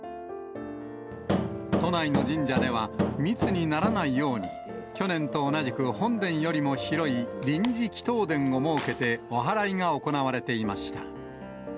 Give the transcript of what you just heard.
都内の神社では、密にならないように、去年と同じく本殿よりも広い、臨時祈祷殿を設けて、おはらいが行われていました。